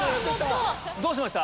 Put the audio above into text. どうしました？